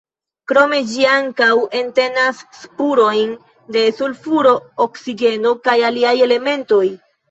Krome ĝi ankaŭ entenas spurojn de sulfuro, oksigeno kaj aliaj elementoj.